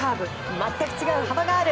全く違う幅がある。